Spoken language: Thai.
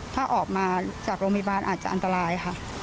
ถ้าออกมาจากโรงพยาบาลอาจจะอันตรายค่ะ